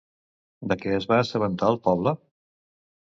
De què es va assabentar el poble?